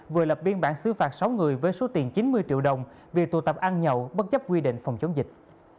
vừa lập biên bản xứ phạt sáu người với số tiền chín mươi triệu đồng vì tụ tập ăn nhậu bất chấp quy định phòng chống dịch